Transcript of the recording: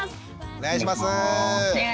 お願いします。